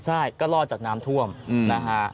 ใช่ก็รอดจากน้ำท่วมนะฮะ